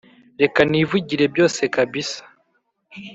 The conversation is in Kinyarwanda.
reka nivugire byose kabisa